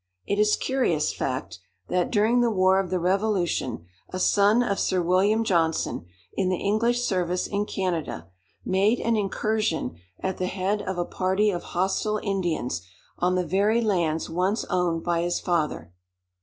It is a curious fact, that, during the war of the revolution, a son of Sir William Johnson, in the English service in Canada, made an incursion at the head of a party of hostile Indians on the very lands once owned by his father.